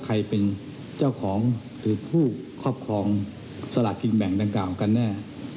ใครเป็นเจ้าของหรือผู้ครอบครองสลากกินแบ่งดังกล่าวกันแน่